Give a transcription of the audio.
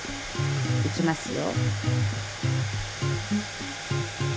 いきますよ。